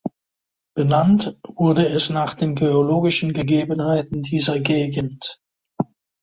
Benannt wurde es nach den geologischen Gegebenheiten dieser Gegend.